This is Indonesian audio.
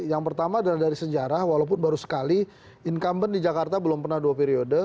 yang pertama adalah dari sejarah walaupun baru sekali incumbent di jakarta belum pernah dua periode